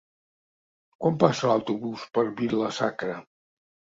Quan passa l'autobús per Vila-sacra?